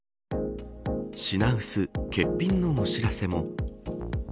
品薄・欠品のお知らせも。